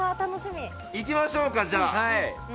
いきましょうか、じゃあ。